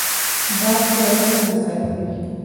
باد کله کله ناڅاپي وي